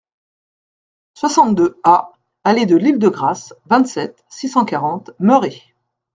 soixante-deux A allée de l'Île de Grâce, vingt-sept, six cent quarante, Merey